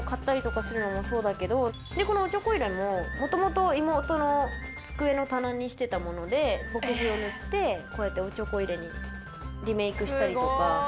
このおちょこ入れも元々妹の机の棚にしてたもので墨汁を塗ってこうやっておちょこ入れにリメイクしたりとか。